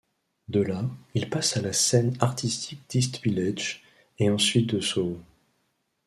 De là, il passe à la scène artistique d'East Village, et ensuite de Soho.